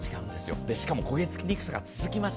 しかも焦げつきにくさが続きます。